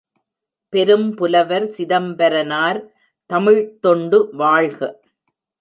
பெரும்புலவர் சிதம்பரனார் தமிழ்த் தொண்டு வாழ்க!